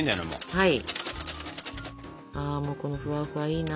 はい。